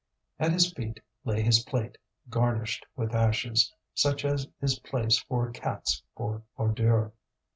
At his feet lay his plate, garnished with ashes, such as is placed for cats for ordure.